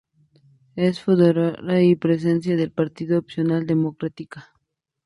Es fundadora y presidenta del partido Opción Democrática.